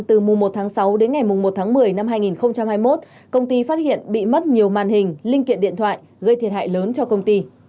từ mùa một tháng sáu đến ngày một tháng một mươi năm hai nghìn hai mươi một công ty phát hiện bị mất nhiều màn hình linh kiện điện thoại gây thiệt hại lớn cho công ty